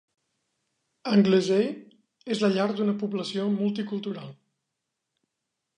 Anglesey és la llar d'una població multicultural.